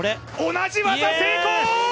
同じ技、成功！